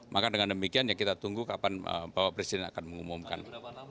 maka dengan demikian ya kita tunggu kapan bapak presiden akan mengumumkan